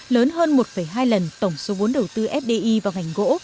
lớn hơn một hai lần tổng số vốn đầu tư fdi vào ngành gỗ